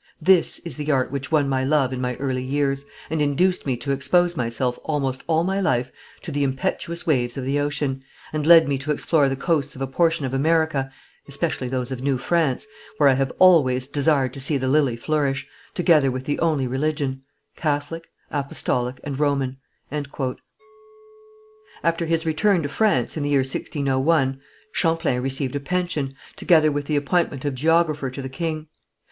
This is the art which won my love in my early years and induced me to expose myself almost all my life to the impetuous waves of the ocean, and led me to explore the coasts of a portion of America, especially those of New France, where I have always desired to see the lily flourish, together with the only religion, Catholic, Apostolic and Roman." After his return to France in the year 1601, Champlain received a pension, together with the appointment of geographer to the king.